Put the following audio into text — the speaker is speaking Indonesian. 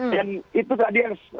dan itu tadi yang